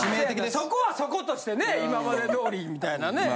そこはそことしてね今まで通りみたいなね。